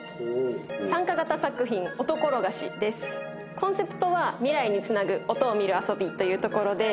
コンセプトは未来につなぐ音を観る遊びというところで。